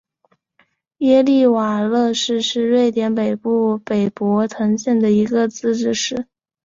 耶利瓦勒市是瑞典北部北博滕省的一个自治市。